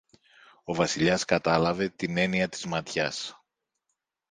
Ο Βασιλιάς κατάλαβε την έννοια της ματιάς